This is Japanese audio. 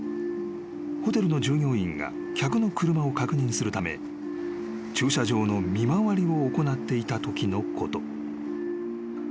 ［ホテルの従業員が客の車を確認するため駐車場の見回りを行っていたときのこと］